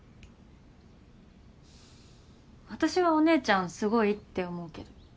私はお姉ちゃんすごいって思うけど。